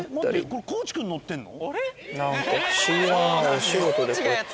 これ地君乗ってんの？